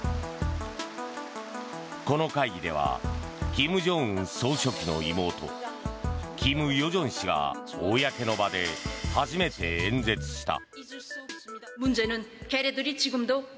この会議では金正恩総書記の妹・金与正氏が公の場で初めて演説した。